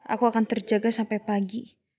aku akan terjaga sampai pagi